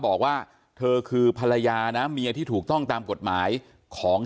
บอกว่าเธอคือภรรยานะเมียที่ถูกต้องตามกฎหมายของ